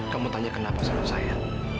kamu tanya kenapa sama saya